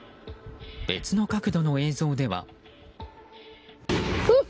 別の角度の映像では。